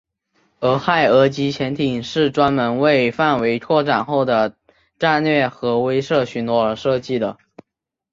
俄亥俄级潜艇是专门为范围扩展后的战略核威慑巡逻而设计的。